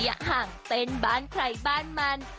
อย่าห่างเป็นบ้านใครบ้านมัน